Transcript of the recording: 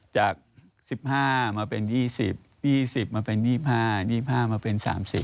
จาก๑๕มาเป็น๒๐๒๐มาเป็น๒๕๒๕มาเป็น๓๐